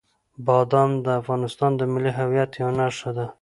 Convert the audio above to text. بادام د افغانستان د ملي هویت یوه نښه ده.